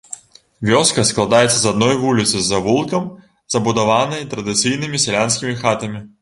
Вёска складаецца з адной вуліцы з завулкам, забудаванай традыцыйнымі сялянскімі хатамі.